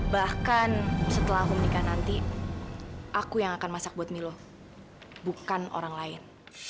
bahkan setelah aku menikah nanti aku yang akan masak buat milo bukan orang lain